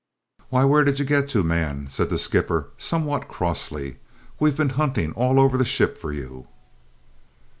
"Why, where did you get to, man?" said the skipper, somewhat crossly. "We've been hunting all over the ship for you!"